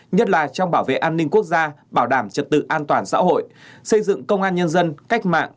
nhất là trong bảo vệ an ninh quốc gia bảo đảm trật tự an toàn xã hội xây dựng công an nhân dân cách mạng